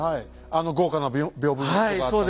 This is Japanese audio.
あの豪華な屏風とかあったね。